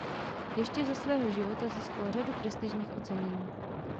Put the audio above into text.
Ještě za svého života získal řadu prestižních ocenění.